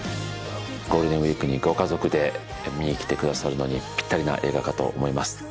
ゴールデンウイークにご家族で見に来てくださるのにぴったりな映画かと思います